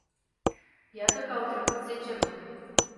Iată că au trecut zece luni.